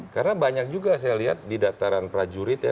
karena banyak juga saya lihat di dataran prajurit ya